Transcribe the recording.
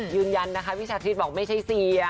ยืนยันนะคะพี่ชาธิตบอกไม่ใช่เสีย